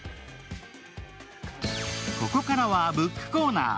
ここからはブックコーナー。